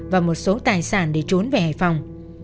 và một số tài sản để trốn về hải phòng